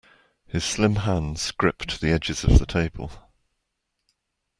His slim hands gripped the edges of the table.